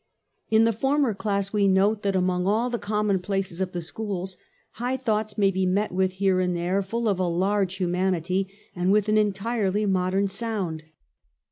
In the former class we note that among all the commonplaces of the schools, high thoughts may be met with here and there, full of a large humanity, and with an entirely modern sound.